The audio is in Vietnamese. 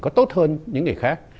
có tốt hơn những người khác